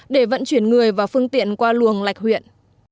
để vận chuyển người và phương tiện qua luồng lạch huyện